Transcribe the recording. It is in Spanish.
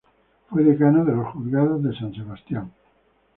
Fue Decano de los Juzgados de San Sebastián.